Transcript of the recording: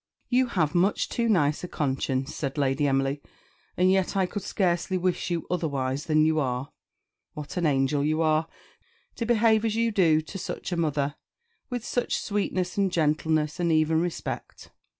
"You have much too nice a conscience," said Lady Emily; "and yet I could scarcely wish you otherwise than you are. What an angel you are, to behave as you do to such a mother; with such sweetness, and gentleness, and even respect!